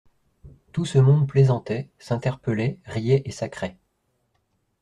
Tout ce monde plaisantait, s'interpellait, riait et sacrait.